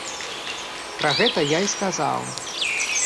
Пра гэта я і сказаў.